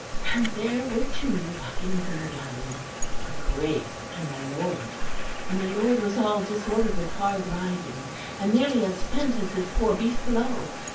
And there were two walking within the gallery, her Grace and my lord, and my lord was all disordered with hard riding, and nearly as spent as his poor beast below.